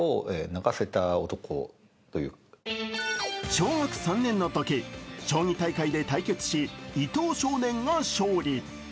小学３年のとき将棋大会で対局し伊藤少年が勝利。